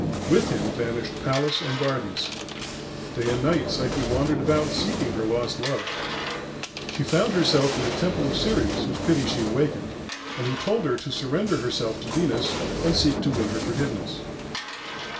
With him vanished palace and gardens. Day and night Psyche wandered about seeking her lost love. She found herself in the temple of Ceres, whose pity she awakened, and who told her to surrender herself to Venus and seek to win her forgiveness.